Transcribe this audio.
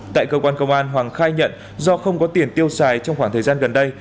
tại cơ quan công an hoàng khai nhận do không có tiền tiêu xài trong khoảng thời gian gần đây